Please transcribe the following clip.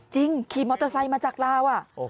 ขี่มอเตอร์ไซค์มาจากลาว